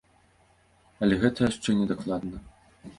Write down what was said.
Але гэта яшчэ не дакладна.